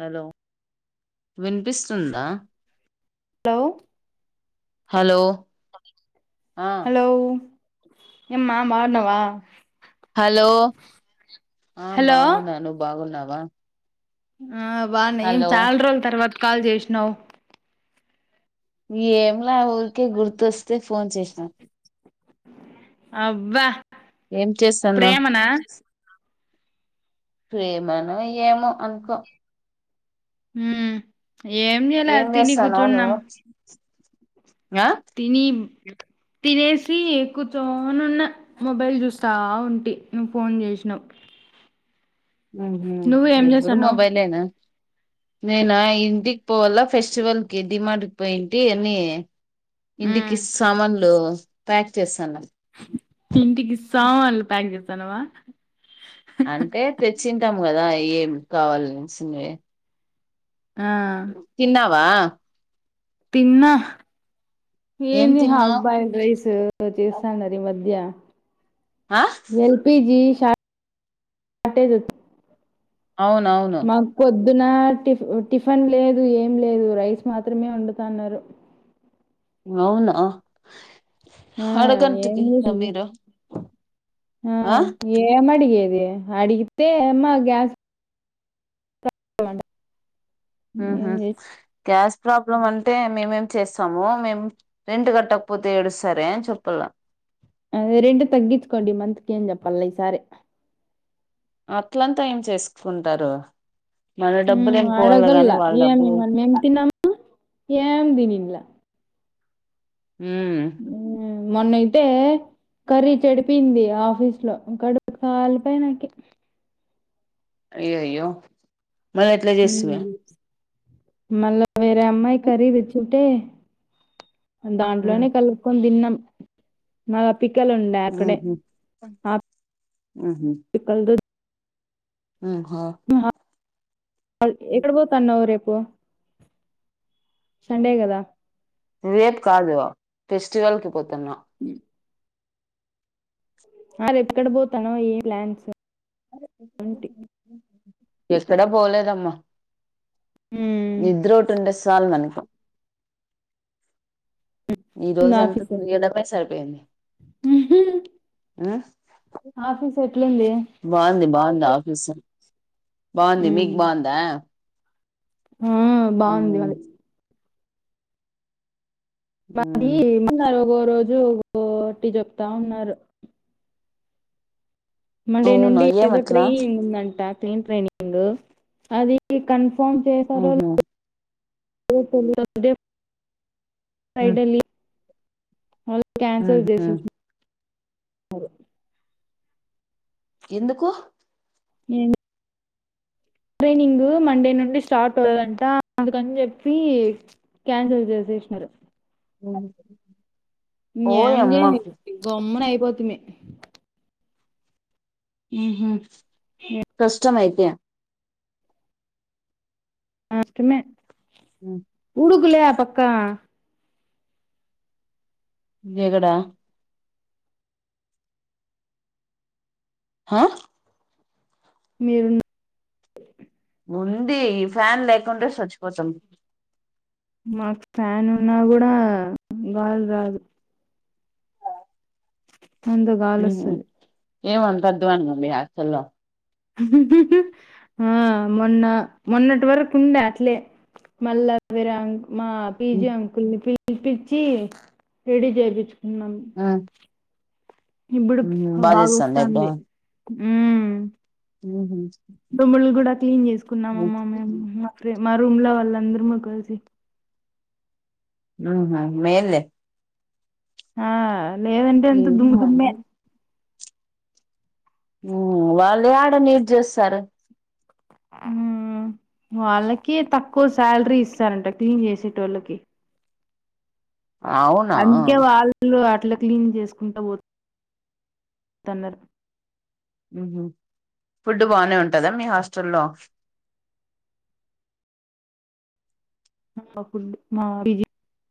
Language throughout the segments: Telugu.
హలో వినిపిస్తుందా హలో హలో ఆ హలో ఏమ్మా బాగున్నావా హలో ఆ హలో బాగున్నా నువ్వు బాగున్నావా ఆ బాగున్నా ఏం హలో చాల్ రోజుల తర్వాత కాల్ చేసినావ్. ఏమ్లే ఊరికే గుర్తొస్తే ఫోన్ చేసినా అబ్బా ఏం చేస్తన్నవ్ ప్రేమనా ప్రేమను ఏమో అనుకో మ్. ఏం చేయల తిని చేస్తాన్నావ్ కూర్చున్నాం. నువ్వు ఆ తిని తినేసి కూర్చోనున్న మొబైల్ చూస్తా ఉంటి నువ్వు ఫోన్ చేసినావ్. మ్ హు ఎప్పుడు చేస్తాన్నావ్ మొబైలేనా నేనా ఇంటికి పోవల్ల ఫెస్టివల్కి డిమార్ట్కి పోయింటి అన్ని ఉమ్ ఇంటికి సామాన్లు ప్యాక్ చేస్తాన్నం. ఇంటికి సామాన్లు ప్యాక్ చేస్తాన్నవా అంటే తెచ్చింటాం కదా ఏం కావాలిసినేవి ఆ వా తిన్నా ఏం ఏంది హాఫ్ తిన్నావ్ బాయిల్ రైస్ చేస్తాన్నారి మధ్య ఆ ఎల్ పి జి షార్టెజోచ్చి అవునవును. పొద్దున టిఫ టిఫెన్ లేదు ఏం లేదు రైస్ మాత్రమే వండుతాన్నారు. అవునా ఆ అడగంటికి ఏందో చూడు. మీరు ఆ ఏమడిగేది. ఒకే అడిగితే మా గ్యాస్ [unintelligible] ఏం ఆహా! చేసి గ్యాస్ ప్రాబ్లం అంటే మేమేం చేస్తాము. మేము రెంట్ కట్టకపోతే ఏడుస్తరే అన్ చెప్పల్ల అదే రెంట్ తగ్గించుకోండి ఇ మంత్కి అని చెప్పల్ల ఈసారి అట్లంతా ఏం చేసుకుంటారు. మన డబ్బులు మ్ ఏం పోవాల గాని అడగల్లా వాళ్ళ ఏమి డబ్బులు మనమేం తిన్నామా ఏం తినిన్ల్లా మ్మ్ మొన్నయితే కర్రీ చెడిపోయింది ఆఫీస్లో కడుపు కాలిపాయ్ నాకి అయ్యయ్యో మళ్లేట్ల చేస్తివి. మళ్ళ వేరే అమ్మాయి కర్రీ తెచ్చింటే ఉమ్ దాంట్లోనే కలుపుకొని తిన్నాం. మల్ల పికెల్ ఉండే అక్కడే ఉహు ఆ పికల్తో ఉహా ఎక్కడ పోతున్నావు రేపు సండే కదా రేప్ కాదు ఫెస్టివల్కి పోతన్నా అ రేపుక్కడ పోతానో ఏ ప్లాన్స్ ఏంటి ఎక్కడ పోలేదమ్మా నిద్రోటి ఉంటే సల్ మనకు ఈ ఉంది రోజు అంతా ఆఫీసు తీయడమే సరిపోయింది ఉ ఆఫీస్ ఎట్లుంది బాగుంది బాగుంది లాఫిసా బాగుంది మీకు బాగుందా ఆ బాగుంది మ్మ్ మది మది మ్మ్ [unintelligible] రోజు ఒటి చెప్తా ఉన్నారు మండే అవునా నుండి ఏదో ఏమట్లా ట్రీ ఉందంట క్లీన్ ట్రైనింగ్ అది కన్ఫా ఫోన్ చేశారో ఊహూ లేదో [unintelligible] మ్మ్ [unintelligible] వాళ క్యాన్సిల్ ఊహూ చేసి [unintelligible] ఎందుకు మ్ ట్రైనింగు మండే నుండి స్టార్ట్ అవుదంట అందుకని చెప్పి క్యాన్సిల్ చేస చేసినారు అ ఇంకేముంది గమ్మున అయిపోతున్నాయి ఆహ హ ఇష్టమతే అష్టమే [inaudible] గూగుల్ యాప్ అక్క జగడ హా మీరు ఉంది ఈ ఫ్యాన్ లేకుంటే చచ్చిపోతాం మాకు ఫ్యాన్ ఉన్నా కూడా గాలి రాదు ముందు గాలి ఊహూ వస్తది ఏమంత అద్దమానం ఉంది మీ హాస్టల్ లో ఆ మొన్న మొన్నటి వరకు ఉండే అట్లే మల్ల వేరే ఆంగ్ మా పీజీ ఉమ్, అంకుల్ని పిలిపించి రెడీ చేయించుకున్నాం ఆ ఇప్పుడు ఊహూ బాగా బాగో చేస్తాందా వస్తుంది హ ఉహా కూడా క్లీన్ చేసుకున్నామమ్మా మే మా రూమ్ లో వాళ్ళ అందరము కలిసి ఆహా మేలే ఆ లేదంటే ఎంత దుమ్ దమ్మే ఉమ్. వాళ్ళే ఆడ నీడు చేస్తారు వాళ్ళకి తక్కువ శాలరీ ఇస్తారంట క్లీన్ చేసేటోల్లకి అవునా అందుకే వాళ్ళు అట్ అట్ల క్లీన్ చేసుకుంటూ పో తన్నర ఫుడ్ బానే ఉంటదా మీ హాస్టల్లో ఆ ఫడ్ మామూలుగే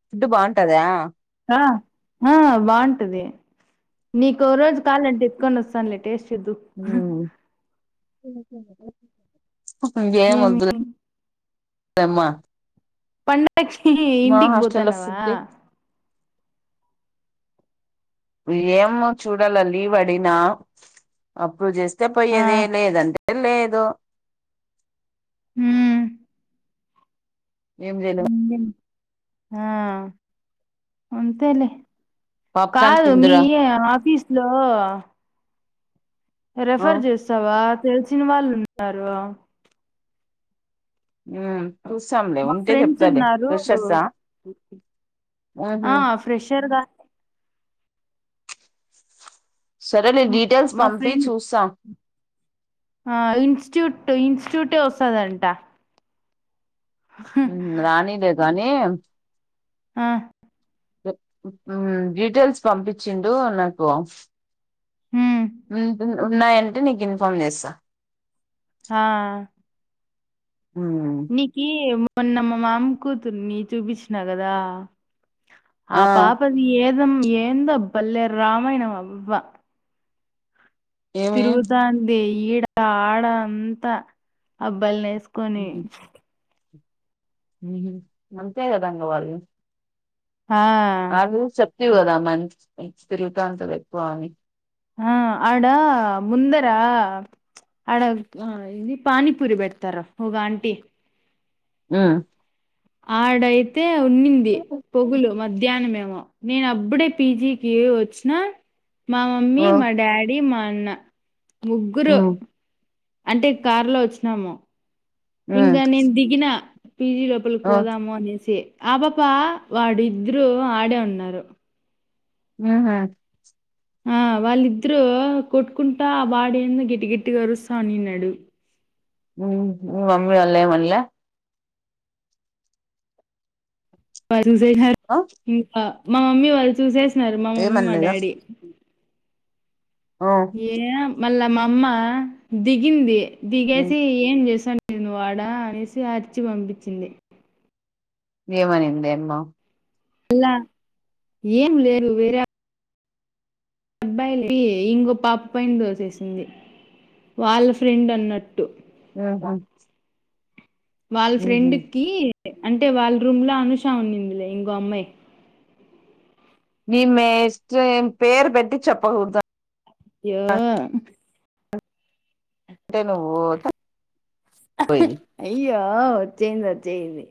ఫుడ్ బాగుంటదా ఆ ఆ బాగుంటది నీకో రోజు కాలంటే తీస్కొనొస్తానులే టేస్ట్ చేద్దు. ఉమ్ క మదుమ్మా పండకొచ్చి ఇంటికి పోతన్నావా! ఫుడ్ ఏమో చూడాలా లీవ్ అడినా అప్ప్రోవ్వ్ చేస్ ఇస్తే ఆ పోయేది లేదంటే లేదు. హ్మ్మ్ ఏం చే ఆ అంతేలే పాప్కార్న్ కాదూ మీ తిందురా ఆఫిస్ లో? ఆ రెఫర్ చేస్తవా తెలిసిన వాళ్ళున్నారు. ఉమ్ చూసాంలే మా ఉంటే ఫ్రెండ్స్ చెప్తాలే ఉన్నారు ఫ్రెషర్సా? ఆహ ఆ ఫ్రెషర్దా సరేలే డీటెయిల్స్ మా పంపి ఫ్రెండ్, చూస్తాం ఆ ఇన్స్టిట్యూట్ టు ఇన్స్టిట్యూటే వస్తదంట. హ్మ్మ్ రానిలే గానీ ఆహ్ ఆ డీటెయిల్స్ పంపించిండు నాకు హ్మ్మ్ ఉన్నాయంటే నీకిన్ఫార్మ్ చేస్తా. ఆ మ్మ్ నీకీ మొన్న మా మామ్ కూతుర్నిీ చూపించినా గదా! ఆ పాపది ఏదం ఏందబ్ బల్లేె రామాయణం అబ్బ. ఏమి తిరుగుతాంది, ఈడ ఆడ అంతా అబ్బాయిల నేస్క్ కొని మ్మ్. అంతే గదండి వాళ్ళు ఆ దా మ స్ిరుగుతా అంత వక్కువ అని ఆ ఆడా ముందరా! ఆడ ఆ ఇది పానీపురి పెడతార ఒగాంటీ హ్మ్మ్ ఆడైతే ఉన్నింది పొగులు, మధ్యాహ్న మేమో నేనప్పుడే పి జి కి వచ్చిన మా మమ్మీ, ఓ మా డాడీ, మన్ అన్నా ముగ్గురు మ్మ్ అంటే కార్ లో వచ్చినాము. ఇంగా మ్మ్ నేను దిగిన, పీ జీ లోపలికి ఓ పోదాము అనేసి. ఆ పపా వాడిద్దరూ ఆడే ఉన్నారు. ఆహ్ వాళ్ళిద్దరూ కొట్టుకుంటా వాడేందో గిట్టి గట్టిగా అరుస్తా ఉండిన్నాడు. హ్మ్మ్ మీ మమ్మీ వాళ్లేమన్లే చూసేసినరు ఆ ఇంగ మా మమ్మీ వాళ్ళు చూసేసినారు. మా మమ్మీ, మా ఏమనలేదా డాడీ ఆ ఏ మళ్ళా మమ్మ దిగింది మ్మ్ దిగేసి ఏం చేసాన్ నువ్వాడ అనేసి అరిచి పంపించింది. ఏమనిందే అమ్మా అలా ఏంలేదు వేరే అబ్బాయిలకి ఇంకో పాప పైన దోసేసింది. వాళ్ళ ఫ్రెండ్ అన్నట్టు. ఆహ వాళ్ళ ఫ్రెండ్ కి అంటే వాళ్ళ రూమ్ లో అనుషా ఉన్నిందిలే ఇంగో అమ్మాయ్. [unintelligible] పేర్ పెట్టి చెప్పకూడదు అయ్యో అంటే నువ్ యోయ్ వచ్చెంది వచ్చెంది